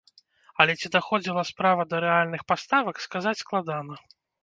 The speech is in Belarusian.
Але ці даходзіла справа да рэальных паставак сказаць складана.